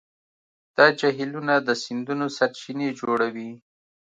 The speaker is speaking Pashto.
دا جهیلونه د سیندونو سرچینې جوړوي.